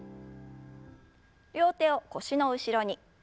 両手を腰の後ろに。